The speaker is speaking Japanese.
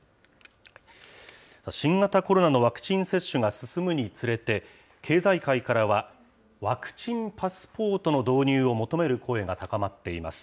新型コロナのワクチン接種が進むにつれて、経済界からは、ワクチンパスポートの導入を求める声が高まっています。